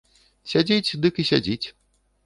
Сядзіць дык і сядзіць.